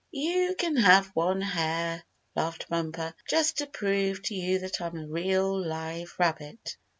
"You can have one hair," laughed Bumper, "just to prove to you that I'm a real live rabbit."